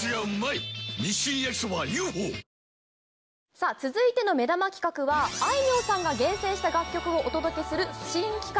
さあ、続いての目玉企画は、あいみょんさんが厳選した楽曲をお届けする新企画。